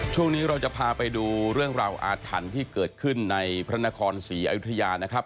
ช่วงนี้เราจะพาไปดูเรื่องราวอาถรรพ์ที่เกิดขึ้นในพระนครศรีอยุธยานะครับ